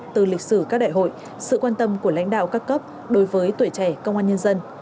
từ lịch sử các đại hội sự quan tâm của lãnh đạo các cấp đối với tuổi trẻ công an nhân dân